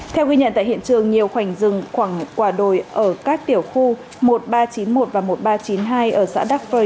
theo ghi nhận tại hiện trường nhiều khoảnh rừng khoảng quả đồi ở các tiểu khu một nghìn ba trăm chín mươi một và một nghìn ba trăm chín mươi hai ở xã đắc phơi